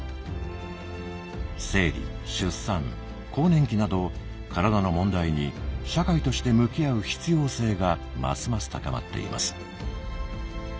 生理出産更年期など体の問題に社会として向き合う必要性がますます高まっています。